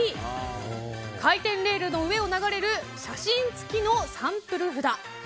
Ｂ、回転レールの上を流れる写真付きのサンプル札。